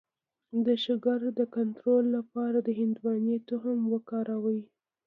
د شکر د کنټرول لپاره د هندواڼې تخم وکاروئ